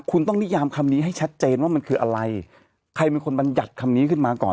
คุณต้องนิยามคำนี้ให้ชัดเจนว่ามันคืออะไรใครเป็นคนบัญญัติคำนี้ขึ้นมาก่อน